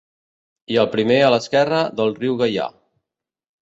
I el primer a l'esquerra del riu Gaià.